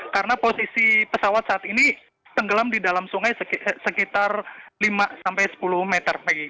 karena posisi pesawat saat ini tenggelam di dalam sungai sekitar lima sampai sepuluh meter